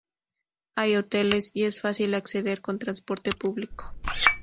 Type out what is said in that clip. Hay hoteles y es fácil acceder con transporte público.